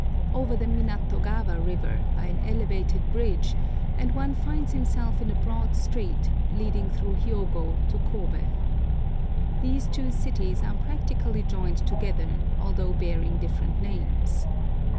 Over the Minato gawa Kiver by an elevated bridge, and one finds himself in a broad street leading through Hiogo to Kobe. These two cities are practically joined together, although bearing different names.